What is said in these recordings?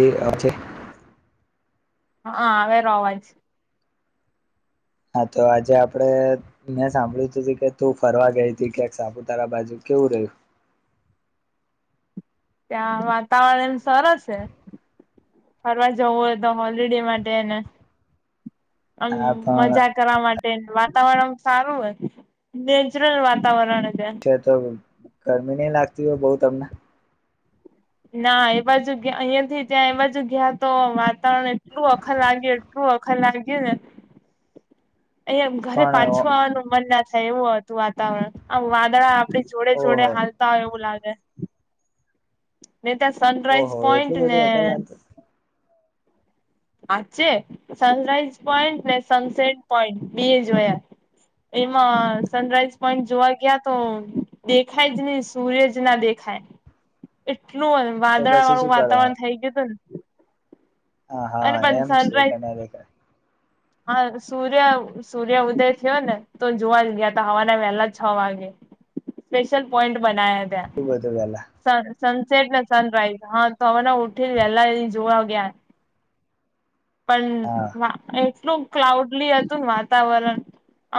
એ [unintelligible] છે હા, આવેરો અવાજ હા, તો આજે આપડે, મેં સાંભળ્યું તું કે તું ફરવા ગઈ હતી, ક્યાંક સાપુતારા બાજુ કેવું રહ્યું? [inaudible] ત્યાં વાતાવરણ એમ સરસ છે. ફરવા જવું હોય તો હોલિડે માટે ને આમ હા પણ મજા કરવા માટે વાત વાતાવરણ સારું હોય, નેચરલ વાતાવરણ છે તો ગરમી ની લાગતી હોય બહુ તમને ના એ બાજુ ગયા અહિયાંથી ત્યાં એ બાજુ ગયા તો વાતાવરણ એટલું વખર લાગ્યું એટલું વખર લાગયુ ને અહંયા ઘરે પણ પાછું આવાનું મન ના થાય એવું હતું. વાતાવરણ આમ વાદળા આપડી જોડે જોડે ઓહો હાલતા હોય એવું લાગે ને ત્યાં સનરાઈઝ ઓહો પોઈન્ટ એટલું ને બધું વખર લાગતું સાચે સનરાઈઝ પોઈન્ટ ને સનસેટ પોઈન્ટ બે જોયા એમાં સનરાઈઝ પોઈન્ટ જોવા ગયા તો દેખાય જ નહી સૂર્ય જ ના દેખાય એટલું તો વાદળા પછી વાળું શું કરવાનું વાતાવરણ થઈ ગયું હતું ને હા અને હા પણ એમ શું કે સનરાઈઝ ન દેખાય [inaudible] હા સૂર્ય સૂર્ય ઉદય થયો ને તો જોવા જ ગયા તા હવારના વહેલા છ વાગે સ્પેશિયલ પોઈન્ટ બનાયા બધું પેલા ત્યા સનસેટ ને સનરાઈઝ હા તો હવે ઉઠીને વેલા એ જોવા ગયા હા પણ એટલું ક્લાઉડલી હતું ને વાતાવરણ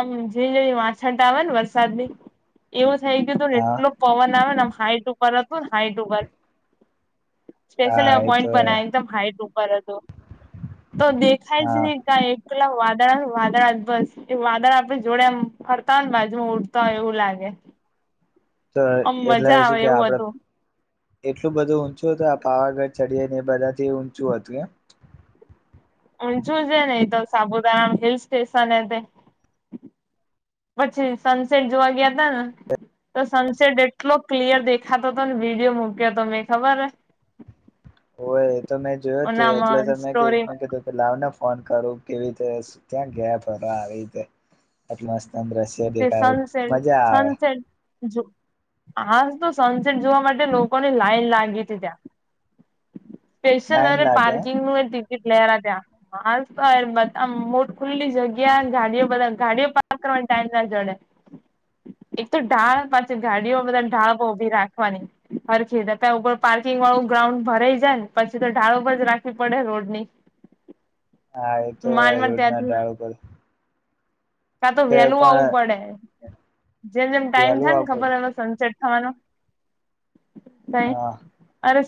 આમ જીણી જીણી વાછત આવે ને વરસાદની એવું થઈ ગયું તુ ને હા એટલુ પવન આવે ને આમ હાઈટ ઉપર હતું ને હાઈટ ઉપર હા એ તો સ્પેશલપોઈન્ટ એવા બનાયા એકદમ હાઇટ ઉપર હતું. તો દેખાય જ હા ની કઈ પટલા વાદળ વાદળ જ બસ એ વાદળ આપડે જોડે ફરતા હોય ને બાજુમાં ઉડતા હોય એવું લાગે [inaudible] તો આમ એટલે મજા શું આવે કે એવું આપણે હતું એટલું બધું ઊંચું હતું આ પાવાગઢ ચડી ને એ બધાથી ઊંચું હતું એમ હ જોજે ને એ તો સાપુતારા હિલ સ્ટેશન એ તે પછી સનસેટ જોવા ગયા તા ને તો સનસેટ એટલો ક્લિયર દેખાતો હતો ને વિડીયો મક્યો હતો મેં ખબર હોય એ તો મેં જોયો તું એટલે તો ઓનામાં મેં કીધું સ્ટોરીમાં કે લાવ ના ફોન કરું કેવી રીતે ત્યાં ગયા ફરવા આવી રીતે આટલુ મસ્ત આમ દ્રશ્ય દેખાયું મજા આવે આજ તો સનસેટ જોવા માટે લોકોની લાઈન લાગી હતી ત્યાં સ્પેશિયલ લાઈન અને લાગે પાર્કિંગનું એ લેરા ત્યાં માલ તો બધા મોટ ખુલ્લી જગ્યા ગાડીઓ બધા ગાડીઓ પાર્ક કરવાની સાજ ના જોડે એક તો ઢાળ પાછી ગાડીઓ બધા ઢાળ ઉભી રાખવાની હરખી ત્યાં ઉપર પાર્કિંગ વાળું ગ્રાઉન્ડ ભરાઈ જાય ને પછી તો ઢાળો પર જ રાખવી પડે રોડની [inaudible] હા એ તો હ માંડ માંડ રોડના ધાળ ઉપર કાતો તો વેલું પણ આવવું પડે જેમ જેમ ટાઈમ વહેલું થાય ને આપડ ખબર હવે સનસેટ થવાનો થાઈ હા અરે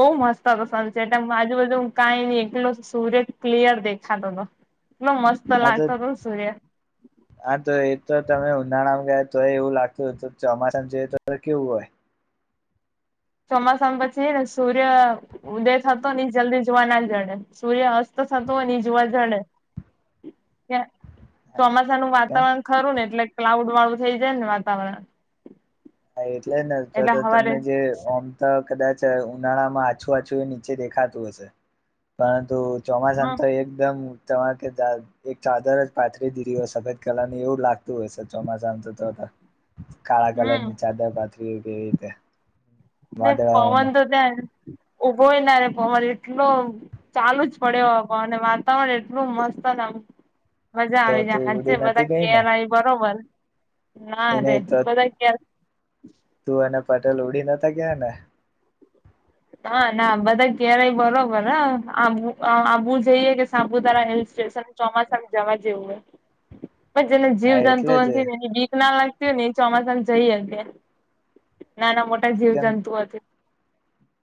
બહુ મસ્ત હતો સનસેટ એમ આજુબજુ હું કાઈ નહી એ એકટલો સૂર્ય ક્લિયર દેખાતો એટલો મસ્ત હા તો લાગતો હતો સૂર્ય હા તો એ તો તમે ઉનાળામાં ગયા તોય એવું લાગતું હત તો ચોમાસામાં જોઈએ તો કેવું હોય ચોમાસામાં પછી હેને સૂર્ય ઉદય થતો ને જલ્દી જોવા ના જડે સૂર્ય અસ્ત થતો હોય ને એ જોવા જળે ત્યા ચોમાસાનું કેમ વાતાવરણ ખરું ને એટલે ક્લાઉડ વાળું થઇ જાય ને વાતાવરણ હા એટલે જ ને તો એટલે તો હવારે તમને જે ઓમ ત કદાચ ઉનાળામાં આછું આછું એ નીચે દેખાતું હશે પરંતુ ચોમાસા હમ તો એકદમ તમારે કે એક ચાદર જ પાથરી દીધી હોય સફેદ કલરની એવું લાગતું હોય છે ચોમાસામાં તો હ કાળા કલર નની રાત્ર ગ એધ નને પવન તો ત્યા ઉભોય ના રે પવાન એટલો ચાલુ જ પડ્યો વાતાવરણ એટલું મસ્ત મજા તો આવી તું જાય હજે ઉડી નથી બધા ગઈ કેર ને આવી બરોબર નાા એને અરે તો બધા્યા તું અને પટેલ ઉડી નતા ગયા ને ના ના બધા ક્યારેય બરોબર હ આંબુ આબુ જઈએ કે સાબુ તારા હેલ સ્ટેશન ચોમાસામાં જવા જેવું હોય પછ જેને જીવ હા એટલે જંતુઓ ને જ એ વીક ના લાગતી હોય ને એ ચોમાસાને જઈએ ત નાના મોટા કેમ જીવજંતુ છે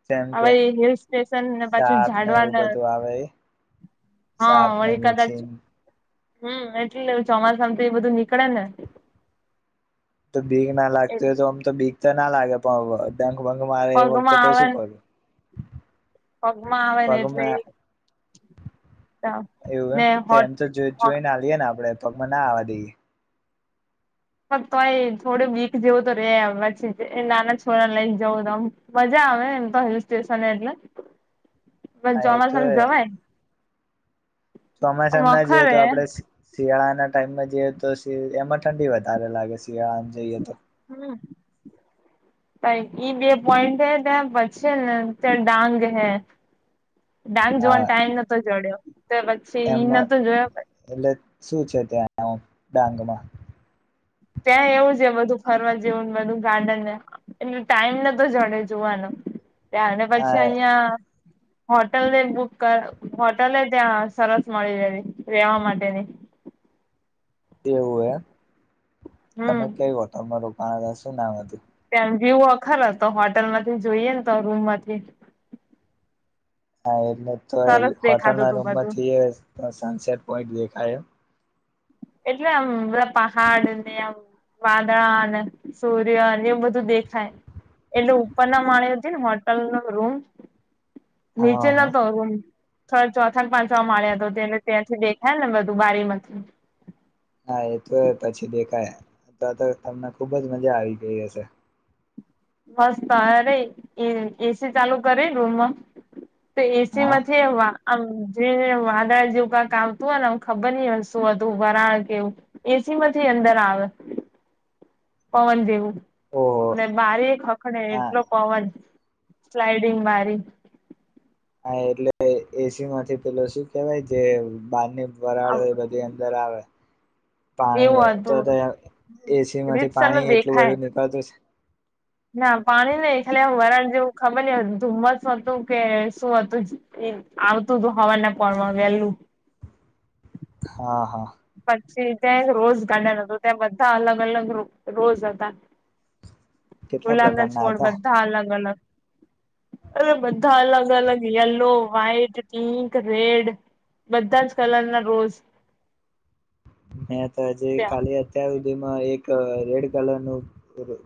તેમ કે હવે હિલ સ્ટેશન ને પાછી સાપ ને એવું જાડવાના બધું આવે હા સાપ ને વળી વીછી કદાચ હમ એટલેવું ચોમાસામ તો એ બધું નીકળે ને તો ભબીક ના લાગતી એટલે હોય તો આમ તો બીક તો ના લાગે પણ ભંગ મારે એ વખતે પગમાં પ આવે શું ને કર્યું પગમાં આવે ને એટલે એ એવું એમ ને તો હોટ એમ તો જો જોઈને લએ ને આપડણે પગમાં ના આવવા દઈએ તોય થોડું વીક જેવું તો રે પછી નાના છોરા લઈને જવું તોમ મજા આવે એમ તો હિલ સ્ટેશન એટલે પ હા એ ચોમાસમ જવાય ચોસમાય સમના જઈએ તો વખરે આપડે શિયાળાના ટાઈમમાં જઈએ તો એમાં ઠંડી વધારે લાગે શિયાળામાં જઈએ તો હમ ઈ બે પોઈન્ટ હે ત્યાં પછી ને તં ડાંગ હૈ ડાંગ જોવાન હા ટાઈમ નતો ચડ્યો એમાં એટલે શું છે ત્યાં ડાંગમાં ત્યાં એવું છે બધું ફરવા જેવુંને બધું ગાર્ડનને એટલે ટાઈમ ન તો જડે જોવાનો એાવણે હા પછી અહી્યાયા હોટલ ને બુક કર હોટલ ને ત્યાં સરસ મળી રહેવી રેવા માટેની [inaudible] એવું એ તમે હમ કેયો તમારું પા શું નામ હતું વ્યુ વખર તો હોટેલમાંથી જોઈએ ને તો રૂમમાંથી હા એટલે તો હોટલ દેખાતું ના તું રૂમમાં બધું થઈએ તો સનસેટ પોઈન્ટ દેખાય એટલે આમ બધા પહાડ ને આમ વાદળ અને સૂર્યન એમ બધું દેખાય એટલે ઉપર ના મા્યો હતી ને હોટલ નો રૂમ હા નીચે હા નતો આવ ચોથાને પાંચ મળ્યા હતો તેને ત્યાંથી દેખાય ને બધું બારીમાંથી હા એ તો પછી દેખાય તો તો તમને ખુબ જ મજા આવી ગઈ હશે બસ તો અરે એ એસી ચાલુ કરે રૂમમાં તો એસી હા માંથી એવા આમ જે વાદળ જેવું કાક આવતું હોય નેમ ખબર નહ હોય શું હતું વરાણ કેવું એ પછીમાંથી અંદર આવે પવન ઓહો જેવું બારી હખડ હા એટલો પવન સ્લાઈડિંગ મારી હા એટલે એસી માંથી પેલો શું કેવાય જે બહારની વરાળો એ બધી અંદર આવે પાણી એવું તો હતું એસી માંથી રીતસર નું પાણી એટલું દેખાય બધું નીકળતું છે ના પાણી નહી ખાલી વરણ જેવું ખબર ન ધુમ્મસ હતું કે શું હતું આવતું તો હવાના પોર મા વેલું. હા હા. પ છી ત્યાં રોઝ ગાર્ડન હતું ત્યાં બધા અલગ અલગ રોઝ હતા. કેટલા ગુલામ ના પ્રકારના છોડ હતા બધા અલગ અલગ. અરે બધા અલગ અલગ યલો, વ્હાઈટ, પિંક, રેડ. બધા જ કલર ના રોઝ. મે તો હજ ત્યાં કાલે અત્યારે હ હુંદી માં એક રેડ કલર નું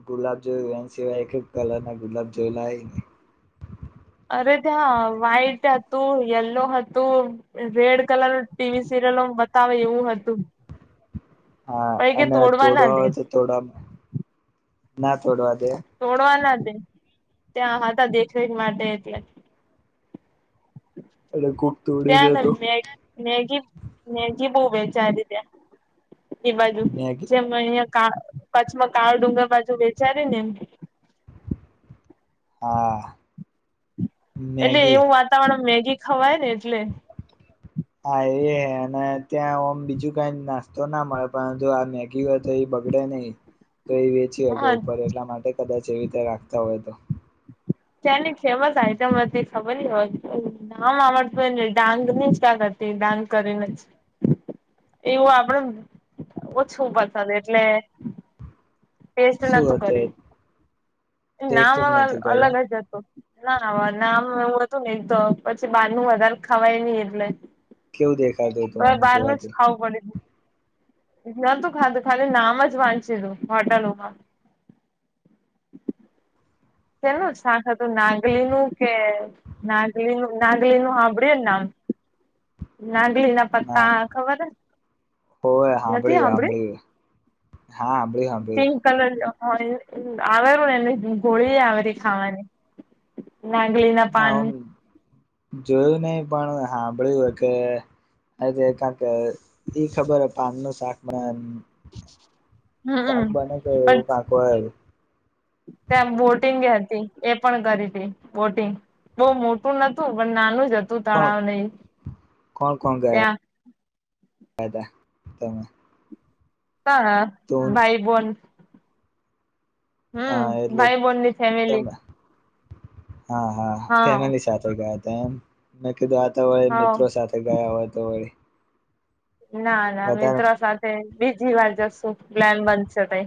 ગુલાબ જોયું એ સિવાય એક કલર ના ગુલાબ જોયલા નઈ. [unintelligible] અરે ત્યાં વ્હાઈટ હતું યલો, હતું રેડ કલર નું ટીવી સિરિયલ બતાવે એવું હતું. હા પઈ કે અને ના તોડવા દે હોય તો તોડવામાં ના તોડવા. દે તોડવા ના દે ત્યાં હતા દેખરેખ માટે એટલે. એટલે કોક તોડી દે ત્યાં અંદર તો મે મેગી મેગી બવ વે ચ રી ત્યા એ બાજુ મેગી જેમ અહં. કા કચ્છમાં કાર ડુંગર બાજુ વેચારી ને એમ. હા. એટલે મેગી એવું વાતાવરણ મેગી ખવાય ને એટલે. હા એ હે અને ત્યાં ઓમ બીજું કઈ નાસ્તો ના મળે પરંતુ આ મેગી હોય તો એ બગડ નહી તો એ વેચી હ કે હા ઉપર એટલા માટે કદાચ એવી રીતે રાખતા હોય તો. ત્યાંની ફેમસ આઈટમ અતિ ખબર હો નામ આડતુંને ડાંગ જ ક્યા તે ડાગ કરીને એવું આપડેને ઓછું પસંદ એટલે. ટેસ્ટ શું નતું કરી્યું. હતું ટેસ્ટ જ નામ અલ નતું કર્યું અલગ જ હતું. ના નામ એ હતું નહ તો પછી બાર નું વધારે ખાવાય નહ એટલે. કેવું દેખાતું હતું તમે આમ બારનું જ જોવાથી ખાવ પડ નતું ખાધું ખાલી નામ જ વાંચી તું હોટલોમાં. [inaudible] કેનું શાખ હતું નાગલીનું કે નાગલીનું નાગલીનું સાંભળ્યું ને નામ. હ નાંગલી ના પતા ખબર હ હોવે નથી હાંભળ્યું હાભળે. હાંભળ્યું હા હાંભળ્યું પિંક હાંભળ્યું કલર હોય. આવેરું ને એને ગોળી આવેરી ખાવાની. નાગલી ના પાન. જોયું નહી પણ હાભળ્યું હે કે હજ કારણ કે ઈ ખબર પાન ન શાકમાં [unintelligible] શાક હમમ બને તો એવું કાક ત્યા બોટિંગ [unintelligible] તી એ પણ કરી તી બોટિંગ બઉ મોટું નતું પણ નાનું જ હ તું કોણ તળાવ ને એ ત્યાં. ફાયદા તમ હા ભાઈ બોન. હમ્મ હા એટલે ભાઈ બોનની ફેમિલી. તમે હા હા કેમેની સાથે ગયા તા એમ. કીધું આ તો વઈ હા મિત્રો સાથે ગયા હોય તો વળી. ના ના વધારે મિત્રો સાથે બીજી વાર જશું પ્લાન બનશે તઈ.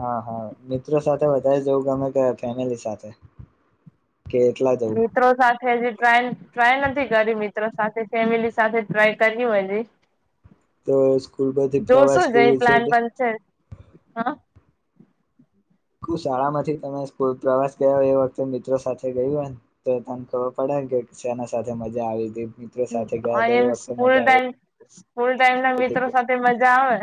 હા હા મિત્રો સાથે વધારે જવું ગમે કે ફેમિલી સાથે? કે એટલા જવું મિત્રો સાથે, જ ટ્રાય ટ્રાય નથી, કર તો સ્કૂલ પરથી જો પ્રવાસ શું જઈ, કેવી છે પ્લાન તો બનશે હા કુ શાળા માંથી, તમે સ્કૂલ પ્રવાસ ગયા એ વખતે મિત્રો સાથે ગયું હોય, ને તો તને ખબર પડે ને કે શેના સાથે મજા આવી, હતી. મિત્રો સાથે ગયા હતા અને એ વખતે સ્કૂલ મજા આવી ટાઈમ, સ્કૂલ ટાઈમના હતી મિત્રો કે સાથે મજા આવે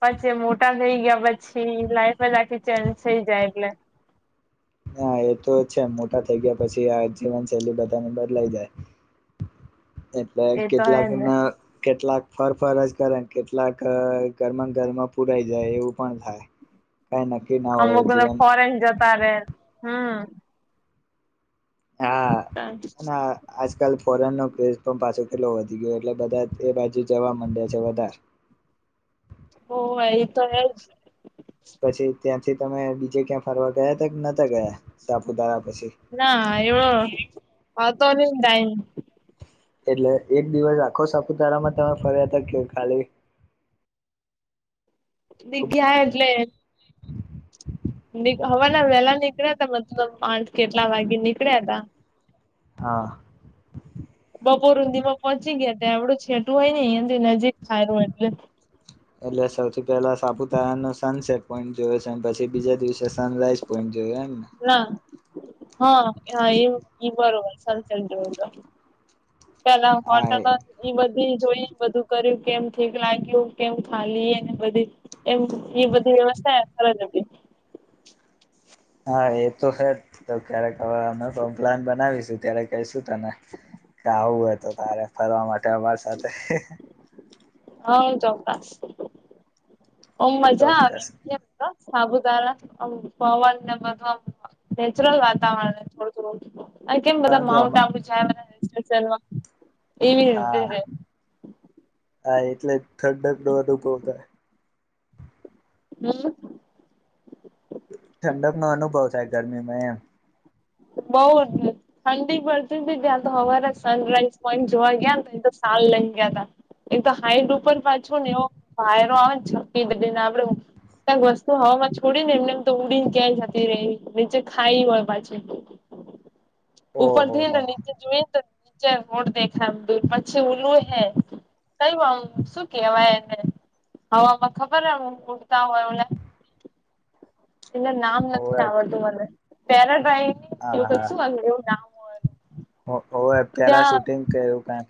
પછી મોટા થઈ ગયા પછી લાઈફ જ આખી ચેન્જ થઇ જાય, એટલે [inaudible] હા, એ તો છે, મોટા થઇ ગયા પછી, આ જીવનશૈલી બધાને બદલાઈ જાય [inaudible] એટલે એ તો હે ને કેટલાકના, કેટલાક ફર, ફર જ કરે કેટલાક ઘર ઘર ઘરમા, ઘરમાં પુરાઈ, જાય એવું પણ થાય કાઈ નક્કીના હોય, એ જે પરે, હમ્મ હા, હા આજ કાલ ફોરેનનો ક્રેશ પણ પાછો, કેટલો વધી ગયો, એટલે બધા એ બાજુ જવા માંડ્યા છે, વધાર હોવે, ઈ તો હેજ પછી, ત્યાંથી તમે બીજે ક્યાં ફરવા ગયા, હતા કે નતા ગયા, સાપુતારા પછી ના એવડો આવતો નહી, ટાઈમ એટલે એક દિવસ આખો સાપુતારામા તમે ફર્યા હતા, કે ખાલી બીગ્યા એટલે ની હવારના વહેલા નીકળ્યા મતલબ, આ કે એટલા વાગે નીકળ્યા તા હા. [inaudible] બપોર હુંધીમાં પહોચી ગયા, ત્યાં એવડું છેટું હયની અહીયાથી નજીક થાયરુ એટલે એટલે સૌથી પહેલા સાપુતારાનો સનસેટ પોઈન્ટ જોયો છે, પછી બીજા દિવસે સનરાઈઝ પોઈન્ટ જો [unintelligible] ના હા, હ એ બરોબર સન સેટ, જોયુ તો પેલા હા હોટેલ ઈ બધી, જોઈ. બધું કર્યું કેમ ઠીક લાગ્યું, કેમ ખાલી બધી એમ એ બધી વ્યવસ્થા [unintelligible] હા, એ તો હેજ, તો ક્યારેક હવે અમે પણ પ્લાન બનાવીશું ત્યારે કેશું તને આવું હોય, તો તારે ફરવા માટે અમાર સાથે હા, ચોક્કસ ઓમ મજા ચોક્કસ આવી સાપુતારા પવન ને બધુ નેચરલ વાતાવરણ, થોડું થોડું આ કેમ બધા પરંતુ અમ માઉન્ટ આબુ, જાય રા સિઝનમા એવી રીતે હા હે હા, એટલે જ ઠંડક નો અનુભવ થાય. હમ્મ. ઠંડક નો અનુભવ થાય, ગરમીમાં એમ. બઉ ઠંડી પડતી, ત્યાં તો હવારે સનરાઈઝ પોઈન્ટ જોવા ગયા સાલ લઈને ગયા, તા એક તો હાઈટ ઉપર પાછોને એવો વાયરો, આવેને છકી ને આપડે ક્યાંક વસ્તુ હવામાં, છોડી ને એમને એમ તો ઉડી ક્યાંય જતી રહી, નીચે ખાઈ હોય પાછી ઓહો ઉપરથી હેને હો નીચે જોઈ, તો ચ મોડ દેખાય દર પછી, ઉલું હૈ કયું આમ શું કેવાય, એને હવામાં ખબર એમ ઉડતા, હોય એ નામ નથી, હોવે આવડતું મને પેરાડ્રાઈવ એવું ક શું એવું નામ હોય હ હોવે, ત્યાં પેરાશૂટિંગ કે એવું કાક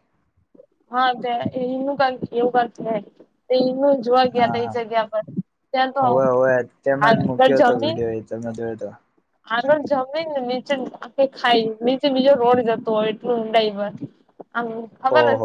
હા જે એનું એવું કાક એનું જોવા ગયા હા તા એ હા જગ્યા પર ત્યાં તો હોવે હોવે તે મને જ આગળ મૂક્યો તો જમીન વિડીયો એતો મે જોયો તો. આગળ જમીન ને નીચે આ ખાઈ નીચે બીજો રોડ જતો હોય એટલું ઊંડાઈમાં. આમ ખબર ઓહો જ